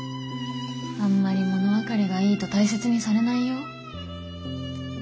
あんまり物分かりがいいと大切にされないよ。